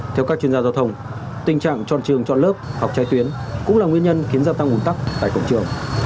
theo các chuyên gia giao thông tình trạng trọn trường trọn lớp học trái tuyến cũng là nguyên nhân khiến gia tăng ồn tắc tại cổng trường